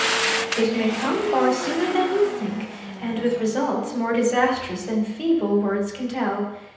"It may come far sooner than you think, and with results more disastrous than feeble words can tell.